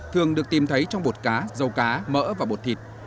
thường được tìm thấy trong bột cá dâu cá mỡ và bột thịt